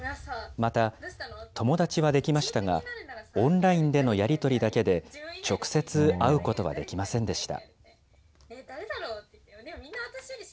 また、友達はできましたが、オンラインでのやり取りだけで、直接会うことはできませんでした。